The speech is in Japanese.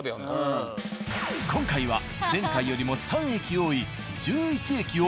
今回は前回よりも３駅多い。